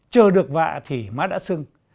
chờ được vạ thì má đã sưng